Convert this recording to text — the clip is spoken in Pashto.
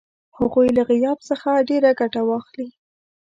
هغوی له غیاب څخه ډېره ګټه واخلي.